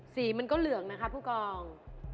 สีมันก็เหลืองนะคะผู้กอง